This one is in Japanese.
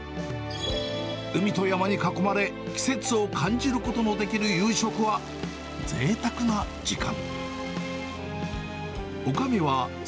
海と山に囲まれ、季節を感じることのできる夕食は、ぜいたくな時間。